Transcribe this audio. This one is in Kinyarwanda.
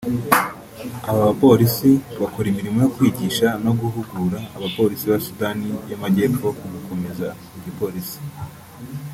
Aba bapolisi bakora imirimo yo kwigisha no guhugura abapolisi ba Sudani y’Amajyepfo ku gukomeza igipolisi